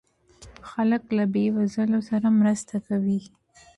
خلک له بې وزلو سره مرسته کوي.